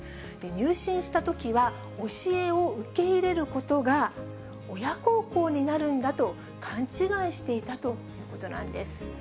入信したときは、教えを受け入れることが、親孝行になるんだと、勘違いしていたということなんです。